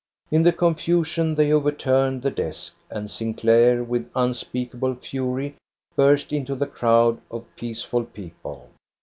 In the confusion they overturned the desk, and Sinclair with unspeakable fury burst into the crowd of peaceful people.